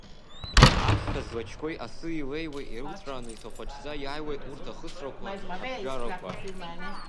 Аԥсҭҳәа ӡлачқәеи асы илеиуеи ирылҵәрааны иҭахәаҽӡа иааҩуеит урҭ ахысрақәа, аԥжәарақәа.